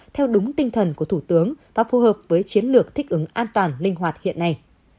theo đúng tinh thần của thủ tướng và phù hợp với chiến lược thích ứng an toàn linh hoạt hiện nay